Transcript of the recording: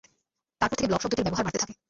তারপর থেকে 'ব্লগ' শব্দটির ব্যবহার বাড়তে থাকে।